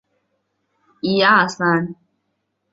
赵郡治所位于今河北赵县。